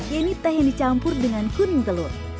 yaitu teh yang dicampur dengan kuning telur